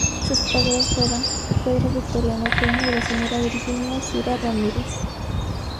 Sus padres fueron Pedro Victoriano Eugenio y la señora Virginia Cira Ramírez.